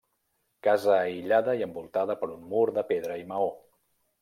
Casa aïllada i envoltada per un mur de pedra i maó.